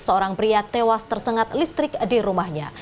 seorang pria tewas tersengat listrik di rumahnya